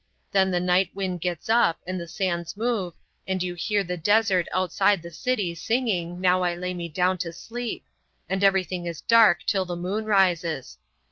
Then the night wind gets up, and the sands move, and you hear the desert outside the city singing, "Now I lay me down to sleep," and everything is dark till the moon rises.